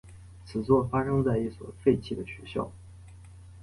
此作发生在一所废弃的学校。